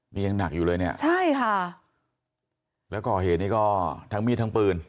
นี่ยังหนักอยู่เลยเนี่ยใช่ค่ะแล้วก่อเหตุนี้ก็ทั้งมีดทั้งปืน